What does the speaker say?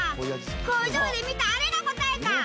工場で見たあれが答えか！